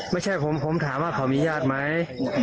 ไม่ใช่ผมผมถามว่าเขามีญาติไหม